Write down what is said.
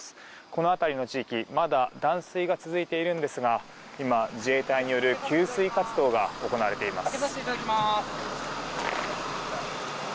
この辺りの地域まだ断水が続いているんですが今、自衛隊による給水活動が行われています。